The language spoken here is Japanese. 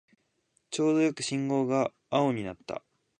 ちょうどよく信号が青になった